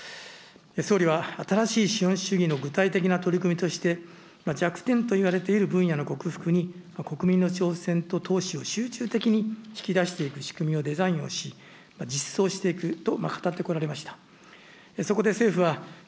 総理は新しい資本主義の具体的な取り組みとして、弱点といわれている分野の克服に、国民のちょうせんととうしを集中的に引き出していく仕組みをデザインをし、実装していくと語ってこられました。